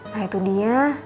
nah itu dia